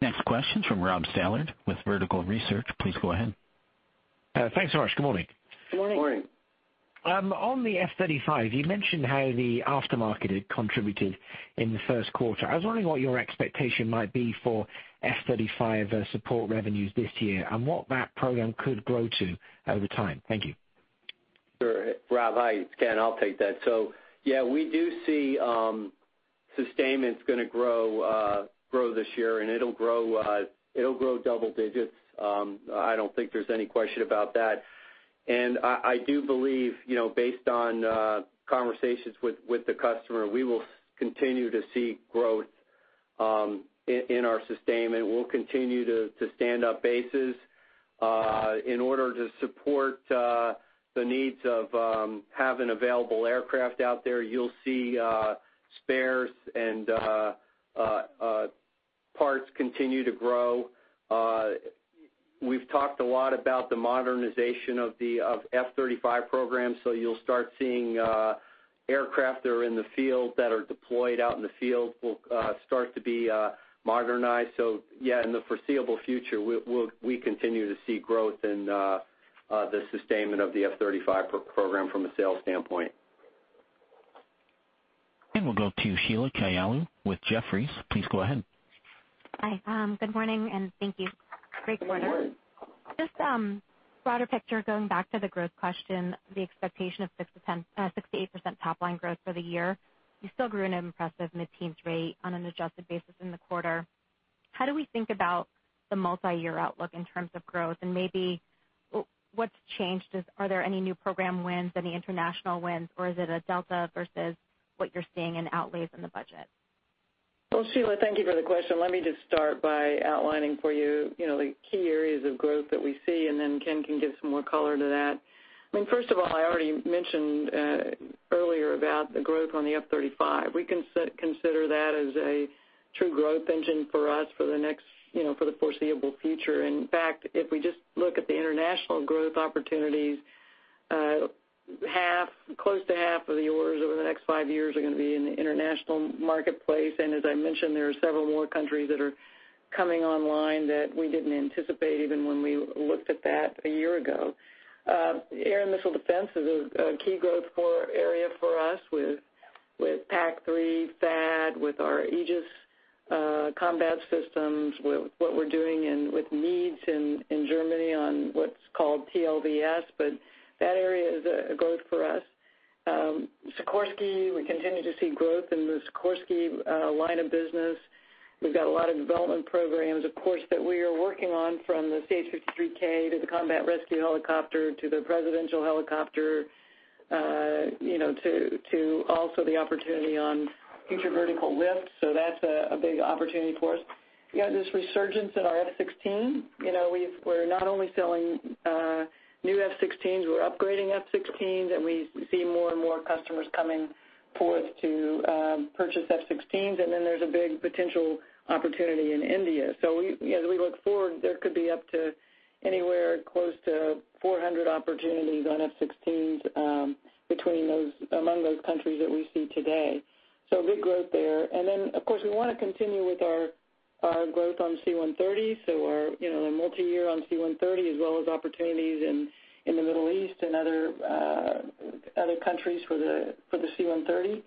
Next question's from Rob Stallard with Vertical Research. Please go ahead. Thanks so much. Good morning. Good morning. Good morning. On the F-35, you mentioned how the aftermarket had contributed in the first quarter. I was wondering what your expectation might be for F-35 support revenues this year and what that program could grow to over time. Thank you. Sure. Rob, hi. It's Ken. I'll take that. Yeah, we do see sustainment's going to grow this year, and it'll grow double digits. I don't think there's any question about that. I do believe, based on conversations with the customer, we will continue to see growth in our sustainment. We'll continue to stand up bases in order to support the needs of having available aircraft out there. You'll see spares and parts continue to grow. We've talked a lot about the modernization of F-35 programs. You'll start seeing aircraft that are in the field, that are deployed out in the field, will start to be modernized. Yeah, in the foreseeable future, we continue to see growth in the sustainment of the F-35 program from a sales standpoint. We'll go to Sheila Kahyaoglu with Jefferies. Please go ahead. Hi. Good morning, and thank you. Good morning. Good morning. Just broader picture, going back to the growth question, the expectation of 6%-8% top-line growth for the year. You still grew an impressive mid-teens rate on an adjusted basis in the quarter. How do we think about the multi-year outlook in terms of growth? Maybe what's changed? Are there any new program wins, any international wins? Is it a delta versus what you're seeing in outlays in the budget? Well, Sheila, thank you for the question. Let me just start by outlining for you the key areas of growth that we see, and then Ken can give some more color to that. I mean, first of all, I already mentioned earlier about the growth on the F-35. We consider that as a true growth engine for us for the foreseeable future. In fact, if we just look at the international growth opportunities, close to half of the orders over the next five years are going to be in the international marketplace. As I mentioned, there are several more countries that are coming online that we didn't anticipate even when we looked at that a year ago. Air and missile defense is a key growth area for us with PAC-3, THAAD, with our Aegis combat systems, with what we're doing with MEADS in Germany on what's called TLVS. That area is a growth for us. Sikorsky, we continue to see growth in the Sikorsky line of business. We've got a lot of development programs, of course, that we are working on from the CH-53K to the combat rescue helicopter to the presidential helicopter, to also the opportunity on Future Vertical Lift. That's a big opportunity for us. We have this resurgence in our F-16. We're not only selling new F-16s, we're upgrading F-16s, and we see more and more customers coming to us to purchase F-16s. There's a big potential opportunity in India. As we look forward, there could be up to anywhere close to 400 opportunities on F-16s among those countries that we see today. Big growth there. Of course, we want to continue with our growth on C-130. Our multi-year on C-130 as well as opportunities in the Middle East and other countries for the C-130.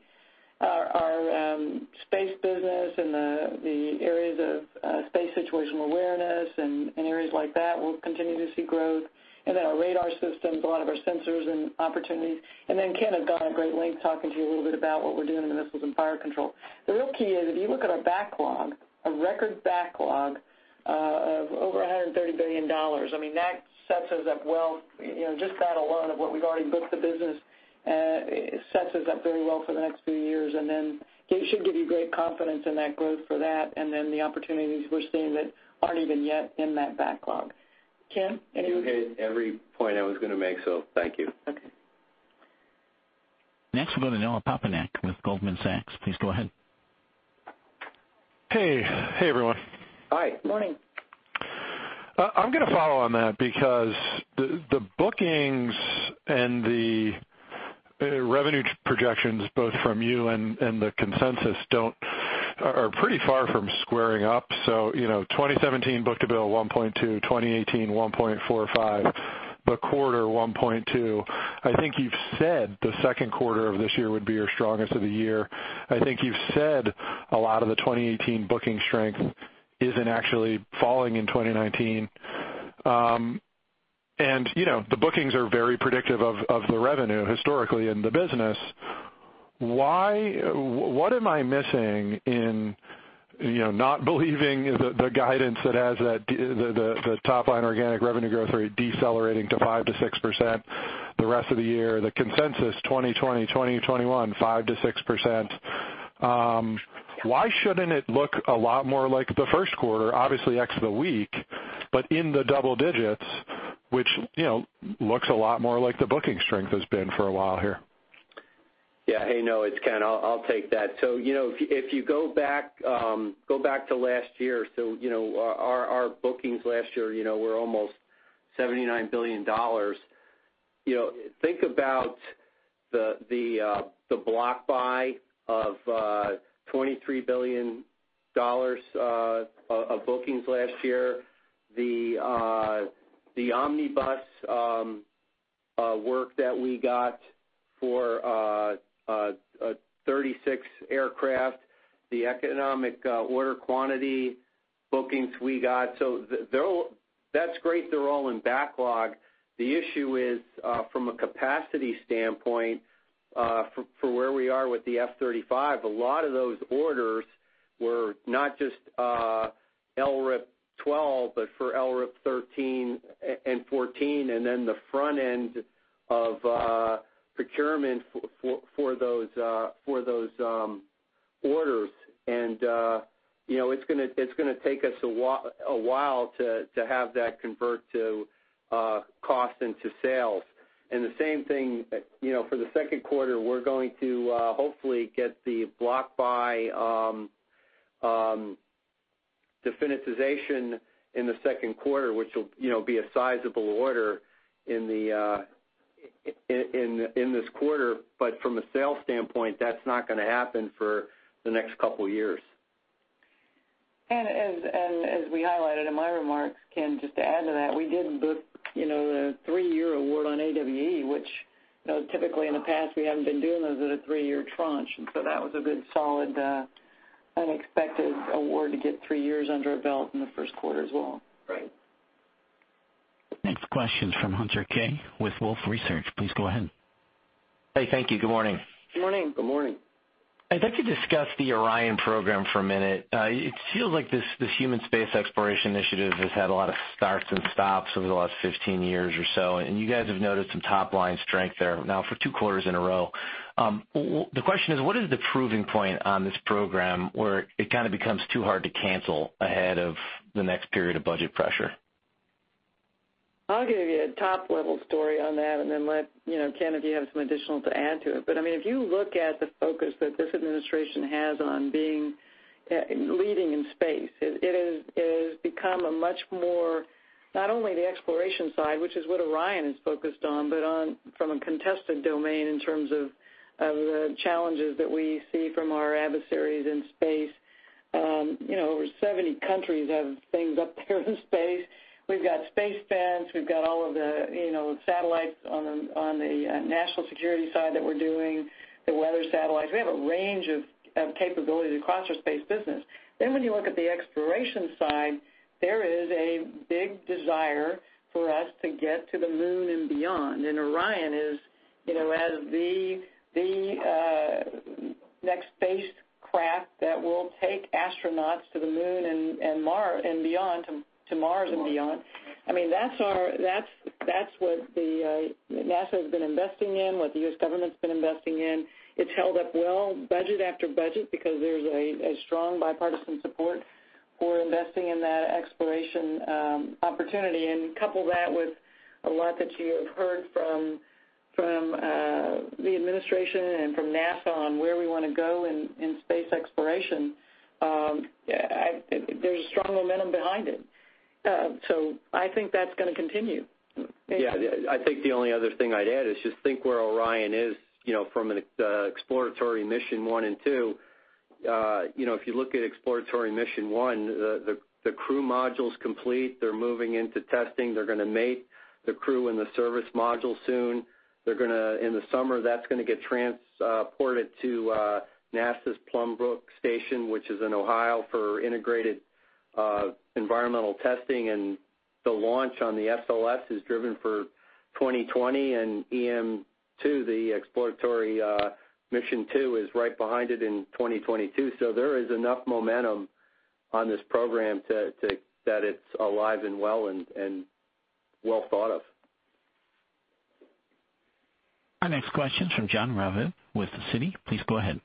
Our space business and the areas of space situational awareness and areas like that, we'll continue to see growth. Our radar systems, a lot of our sensors and opportunities. Ken had gone at great length talking to you a little bit about what we're doing in Missiles and Fire Control. The real key is, if you look at our backlog, a record backlog of over $130 billion. I mean, that sets us up well. Just that alone of what we've already booked the business sets us up very well for the next few years, and then it should give you great confidence in that growth for that and then the opportunities we're seeing that aren't even yet in that backlog. Ken, anything? You hit every point I was going to make, so thank you. Okay. Next we'll go to Noah Poponak with Goldman Sachs. Please go ahead. Hey, everyone. Hi. Morning. I'm going to follow on that because the bookings and the revenue projections, both from you and the consensus, are pretty far from squaring up. 2017 book to bill 1.2, 2018 1.45. By quarter, 1.2. I think you've said the second quarter of this year would be your strongest of the year. I think you've said a lot of the 2018 booking strength isn't actually falling in 2019. The bookings are very predictive of the revenue historically in the business. What am I missing in not believing the guidance that has the top line organic revenue growth rate decelerating to 5%-6% the rest of the year? The consensus 2020, 2021, 5%-6%. Why shouldn't it look a lot more like the first quarter, obviously ex the week, but in the double digits, which looks a lot more like the booking strength has been for a while here. Hey, Noah, it's Ken. I'll take that. If you go back to last year, our bookings last year were almost $79 billion. Think about the block buy of $23 billion of bookings last year, the omnibus work that we got for 36 aircraft, the economic order quantity bookings we got. That's great they're all in backlog. The issue is, from a capacity standpoint for where we are with the F-35, a lot of those orders were not just LRIP 12, but for LRIP 13 and 14, then the front end of procurement for those orders. It's going to take us a while to have that convert to cost into sales. The same thing for the second quarter, we're going to hopefully get the block buy definitization in the second quarter, which will be a sizable order in this quarter. From a sales standpoint, that's not going to happen for the next couple of years. As we highlighted in my remarks, Ken, just to add to that, we did book the three-year award on AWE, which typically in the past we haven't been doing those at a three-year tranche. That was a good solid unexpected award to get three years under our belt in the first quarter as well. Right. Next question's from Hunter Keay with Wolfe Research. Please go ahead. Hey, thank you. Good morning. Good morning. Good morning. I'd like to discuss the Orion program for a minute. It feels like this human space exploration initiative has had a lot of starts and stops over the last 15 years or so, and you guys have noticed some top-line strength there now for two quarters in a row. The question is, what is the proving point on this program where it kind of becomes too hard to cancel ahead of the next period of budget pressure? I'll give you a top-level story on that and let Ken, if you have some additional to add to it. If you look at the focus that this administration has on leading in space, it has become a much more, not only the exploration side, which is what Orion is focused on, but from a contested domain in terms of the challenges that we see from our adversaries in space. Over 70 countries have things up there in space. We've got Space Fence, we've got all of the satellites on the national security side that we're doing, the weather satellites. We have a range of capabilities across our space business. When you look at the exploration side, there is a big desire for us to get to the moon and beyond. Orion is, as the next spacecraft that will take astronauts to the moon and beyond, to Mars and beyond. That's what NASA has been investing in, what the U.S. government's been investing in. It's held up well budget after budget because there's a strong bipartisan support for investing in that exploration opportunity. Couple that with a lot that you have heard from the administration and from NASA on where we want to go in space exploration, there's strong momentum behind it. I think that's going to continue. Yeah. I think the only other thing I'd add is just think where Orion is from an exploratory Mission 1 and 2. If you look at exploratory Mission 1, the crew module's complete. They're moving into testing. They're going to mate the crew and the service module soon. In the summer, that's going to get transported to NASA's Plum Brook Station, which is in Ohio, for integrated environmental testing, and the launch on the SLS is driven for 2020. EM-2, the exploratory Mission 2, is right behind it in 2022. There is enough momentum on this program that it's alive and well and well thought of. Our next question's from Jon Raviv with Citi. Please go ahead.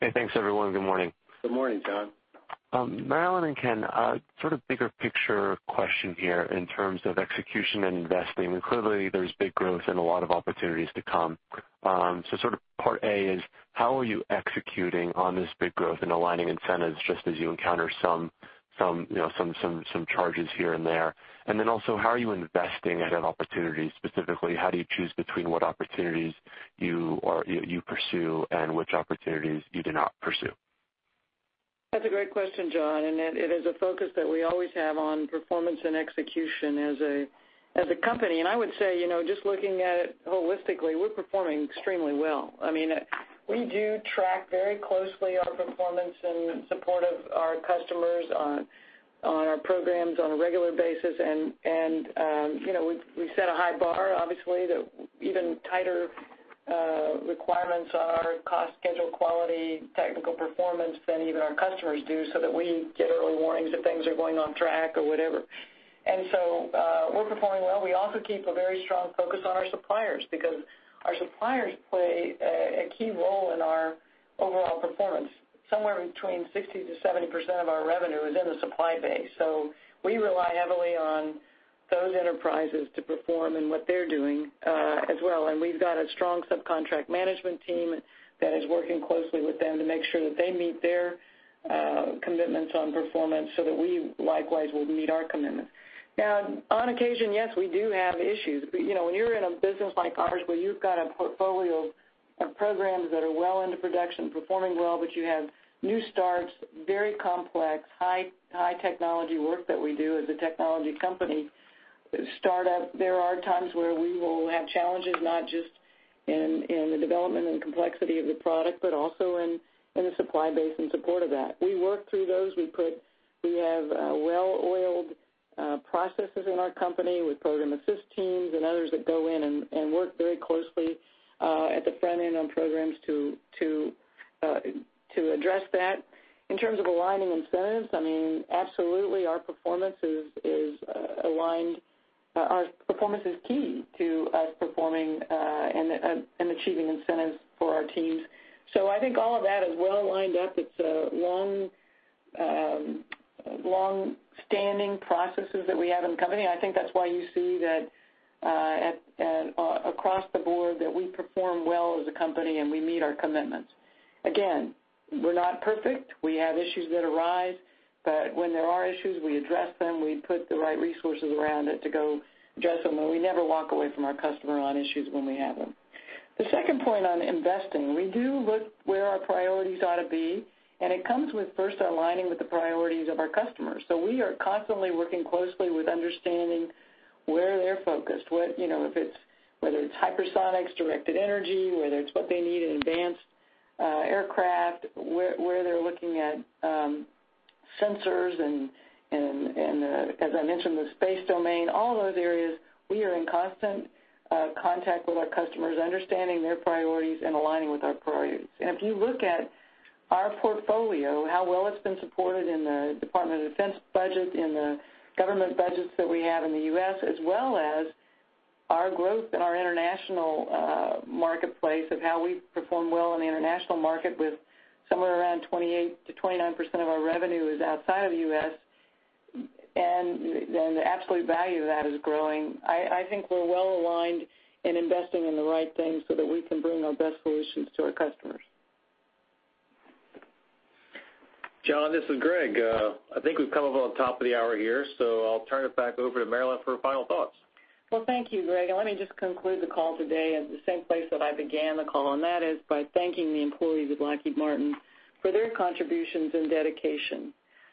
Hey, thanks everyone. Good morning. Good morning, Jon. Marillyn and Ken, sort of bigger picture question here in terms of execution and investing. Clearly, there's big growth and a lot of opportunities to come. Sort of part A is, how are you executing on this big growth and aligning incentives just as you encounter some charges here and there? Also, how are you investing in opportunities? Specifically, how do you choose between what opportunities you pursue and which opportunities you do not pursue? That's a great question, Jon, it is a focus that we always have on performance and execution as a company. I would say, just looking at it holistically, we're performing extremely well. We do track very closely our performance in support of our customers on our programs on a regular basis, we set a high bar, obviously, that even tighter requirements are cost, schedule, quality, technical performance than even our customers do, that we get early warnings if things are going off track or whatever. We're performing well. We also keep a very strong focus on our suppliers, because our suppliers play a key role in our overall performance. Somewhere between 60%-70% of our revenue is in the supply base. We rely heavily on those enterprises to perform in what they're doing as well. We've got a strong subcontract management team that is working closely with them to make sure that they meet their commitments on performance so that we likewise will meet our commitments. Now, on occasion, yes, we do have issues. When you're in a business like ours where you've got a portfolio of programs that are well into production, performing well, but you have new starts, very complex, high-technology work that we do as a technology company, startup, there are times where we will have challenges, not just in the development and complexity of the product, but also in the supply base in support of that. We work through those. We have well-oiled processes in our company with program assist teams and others that go in and work very closely, at the front end on programs to address that. In terms of aligning incentives, absolutely our performance is key to us performing, and achieving incentives for our teams. I think all of that is well lined up. It's a longstanding processes that we have in the company, and I think that's why you see that across the board, that we perform well as a company and we meet our commitments. Again, we're not perfect. We have issues that arise, but when there are issues, we address them, we put the right resources around it to go address them, and we never walk away from our customer on issues when we have them. The second point on investing, we do look where our priorities ought to be, and it comes with first aligning with the priorities of our customers. We are constantly working closely with understanding where they're focused. Whether it's hypersonics, directed energy, whether it's what they need in advanced aircraft, where they're looking at sensors and as I mentioned, the space domain, all those areas, we are in constant contact with our customers, understanding their priorities and aligning with our priorities. If you look at our portfolio, how well it's been supported in the Department of Defense budget, in the government budgets that we have in the U.S., as well as our growth in our international marketplace of how we perform well in the international market with somewhere around 28%-29% of our revenue is outside of the U.S., and the absolute value of that is growing. I think we're well-aligned in investing in the right things so that we can bring our best solutions to our customers. Jon, this is Greg. I think we've come up on top of the hour here, I'll turn it back over to Marillyn for final thoughts. Well, thank you, Greg. Let me just conclude the call today at the same place that I began the call, and that is by thanking the employees of Lockheed Martin for their contributions and dedication.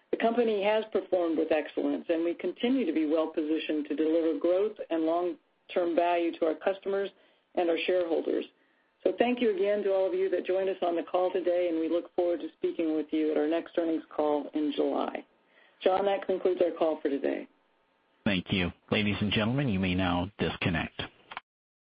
The company has performed with excellence, and we continue to be well-positioned to deliver growth and long-term value to our customers and our shareholders. Thank you again to all of you that joined us on the call today, and we look forward to speaking with you at our next earnings call in July. Jon, that concludes our call for today. Thank you. Ladies and gentlemen, you may now disconnect.